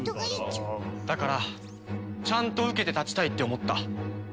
だからちゃんと受けて立ちたいって思った。